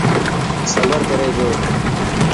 صبر ڪري جو.